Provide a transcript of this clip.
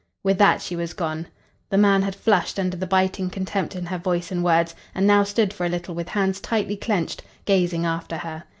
With that she was gone. The man had flushed under the biting contempt in her voice and words, and now stood for a little with hands tightly clenched, gazing after her.